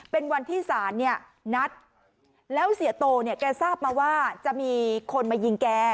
เป็นวันที่ศาลเนี่ยนัดแล้วเสียโตเนี่ยแกทราบมาว่าจะมีคนมายิงแก